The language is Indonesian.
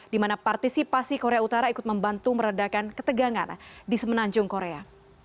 di mana partisipasi korea utara ikut membantu meredakan ketegangan di semenanjung korea